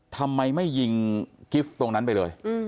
ทำไมไม่ยิงทรุปน้ำนั้นไปเลย